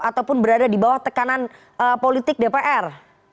ataupun berada di bawah tekanan politik dpr